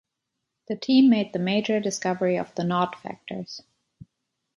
The team made the major discovery of the Nod factors.